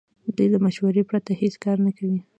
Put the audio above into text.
دوی له مشورې پرته هیڅ کار نه کوي.